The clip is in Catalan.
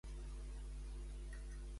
A què s'oposa Rovira?